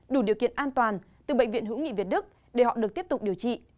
đủ điều kiện an toàn từ bệnh viện hữu nghị việt đức để họ được tiếp tục điều trị